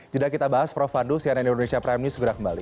juga kita bahas prof pandu siaran indonesia prime segera kembali